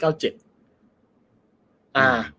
อ่า